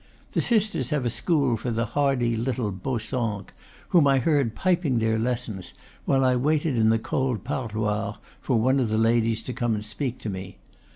The sisters have a school for the hardy little Baussenques, whom I heard piping their lessons, while I waited in the cold parloir for one of the ladies to come and speak to me.